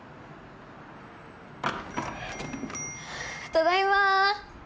ただいま。